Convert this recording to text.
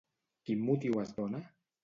Quin motiu es dona?